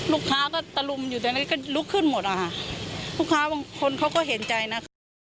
ลูกค้าก็ตะลุมอยู่ตอนนั้นก็ลุกขึ้นหมดอะค่ะลูกค้าบางคนเขาก็เห็นใจนะคะ